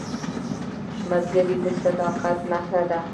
ملګری د صداقت نښه ده